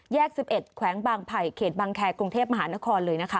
๑๑แขวงบางไผ่เขตบางแครกรุงเทพมหานครเลยนะคะ